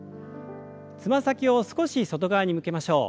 つま先を少し外側に向けましょう。